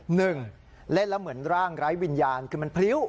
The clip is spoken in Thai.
หนึ่งเล่นแล้วเหมือนร่างไร้วิญญาณคือมันพลิ้ว